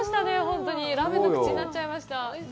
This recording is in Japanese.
ラーメンの口になっちゃいました。